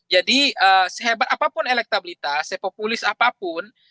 jadi sehebat apapun elektabilitas sepopulis apapun